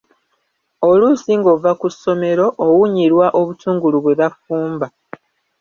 Oluusi ng'ova ku ssomero, owunyirwa obutungulu bwe bafumba.